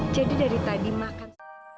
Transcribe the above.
jadi dari tadi makan